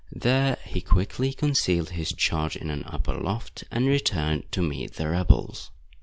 There he quickly concealed his charge in an upper loft, and returned to meet the rebels.